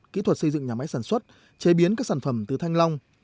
kỹ thuật xây dựng nhà máy sản xuất chế biến các sản phẩm từ thanh long